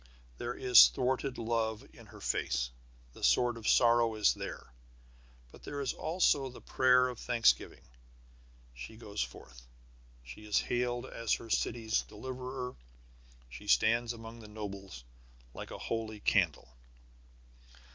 There is thwarted love in her face. The sword of sorrow is there. But there is also the prayer of thanksgiving. She goes forth. She is hailed as her city's deliverer. She stands among the nobles like a holy candle.